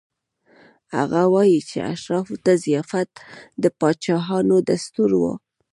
هغه وايي چې اشرافو ته ضیافت د پاچایانو دستور و.